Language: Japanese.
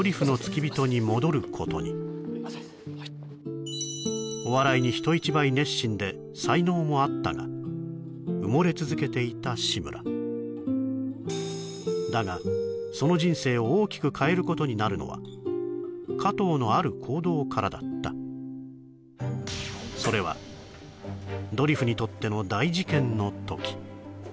またお笑いに人一倍熱心で才能もあったが埋もれ続けていた志村だがその人生を大きく変えることになるのは加藤のある行動からだったそれはドリフにとっての大事件の時